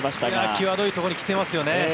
際どいところに来てますよね。